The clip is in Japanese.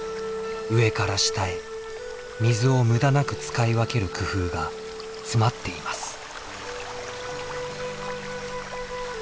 上から下へ水を無駄なく使い分ける工夫が詰まっています。